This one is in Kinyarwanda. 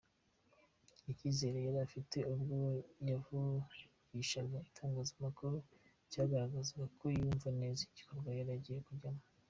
Icyizere yari afite ubwo yavugishaga itangazamakuru cyagaragaza ko yumva neza igikorwa yari agiye kujyamo.